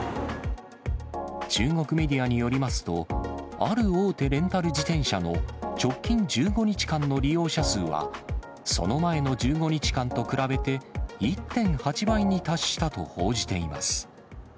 中国メディアによりますと、ある大手レンタル自転車の直近１５日間の利用者数は、その前の１５日間と比べて、１．８倍に達したと報じています。